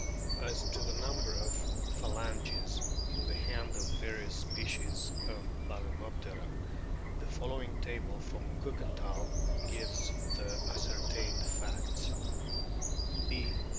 ^J O <? As to the number of phalanges in the hand of various species of Balcrnoplera, the following table from Kiikenthal* gives the ascertained facts : B.